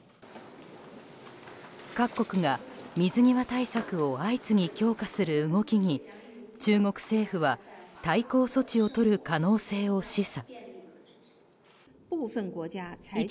各国が水際対策を相次ぎ強化する動きに中国政府は対抗措置をとる可能性を示唆。